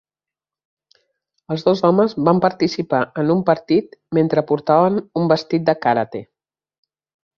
Els dos homes van participar en un partit mentre portaven un vestit de karate.